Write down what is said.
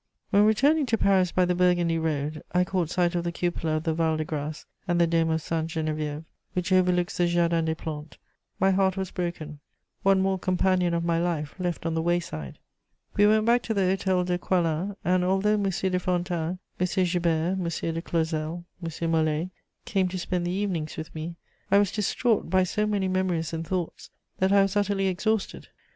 ] When, returning to Paris by the Burgundy road, I caught sight of the cupola of the Val de Grâce and the dome of Sainte Geneviève, which overlooks the Jardin des Plantes, my heart was broken: one more companion of my life left on the wayside! We went back to the Hôtel de Coislin, and although M. de Fontanes, M. Joubert, M. de Clausel, M. Molé came to spend the evenings with me, I was distraught by so many memories and thoughts that I was utterly exhausted.